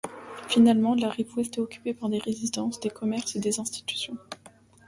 Finalement, la rive ouest est occupée par des résidences, des commerces et des institutions.